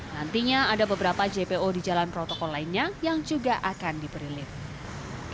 nantinya ada beberapa jpo di jalan protokol lainnya yang juga akan diperlihat